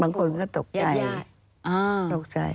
บางคนก็ตกใจ